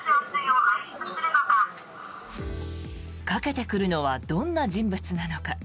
かけてくるのはどんな人物なのか。